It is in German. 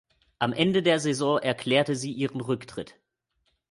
Am Ende der Saison erklärte sie ihren Rücktritt.